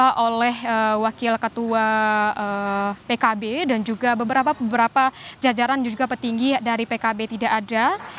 yang disampaikan oleh wakil ketua pkb dan juga beberapa jajaran juga petinggi dari pkb tidak ada